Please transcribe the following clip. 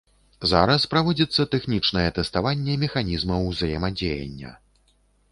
Зараз праводзіцца тэхнічнае тэставанне механізмаў узаемадзеяння.